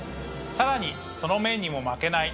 さらにその麺にも負けない。